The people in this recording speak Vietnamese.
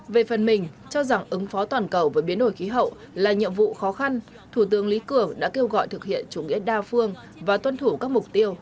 về phần mình cho rằng ứng phó toàn cầu với biến đổi khí hậu là nhiệm vụ khó khăn thủ tướng lý cường đã kêu gọi thực hiện chủ nghĩa đa phương và tuân thủ các mục tiêu